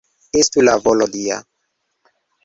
Estu la volo Dia!